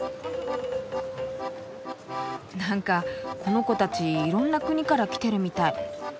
なんかこの子たちいろんな国から来てるみたい。